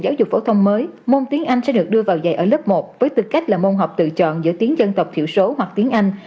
giáo dục phổ thông mới môn tiếng anh sẽ được đưa vào dạy ở lớp một với tư cách là môn học tự chọn giữa tiếng dân tộc thiểu số hoặc tiếng anh